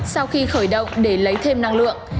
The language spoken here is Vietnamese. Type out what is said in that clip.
sau khi khởi động để lấy thêm năng lượng